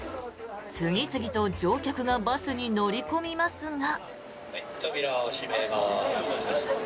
次々と乗客がバスに乗り込みますが。